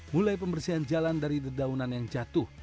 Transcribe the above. mulai pembersihan jalan dari dedaunan yang jatuh